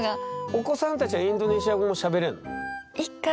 お子さんたちはインドネシア語もしゃべれんの？